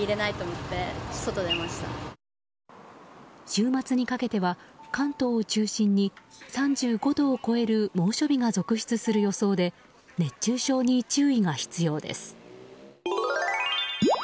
週末にかけては関東を中心に３５度を超える猛暑日が続出する予想で熱中症に注意が必要です。